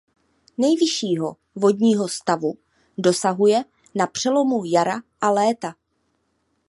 Nejvyššího vodního stavu dosahuje na přelomu jara a léta.